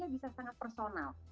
nah situasinya bisa sangat personal